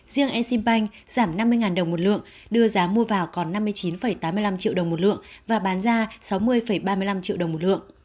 riêng exim bank giảm năm mươi đồng một lượng đưa giá mua vào còn năm mươi chín tám mươi năm triệu đồng một lượng và bán ra sáu mươi ba mươi năm triệu đồng một lượng